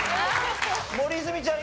森泉ちゃん